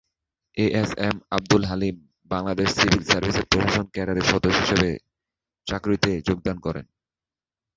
এ S M Abdul Halim Bangladesh civil সার্ভিসের প্রশাসন ক্যাডারের সদস্য হিসেবে চাকুরিতে যোগদান করেন।